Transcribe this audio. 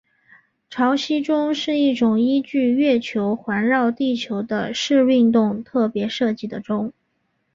潮汐钟是一种依据月球环绕地球的视运动特别设计的钟。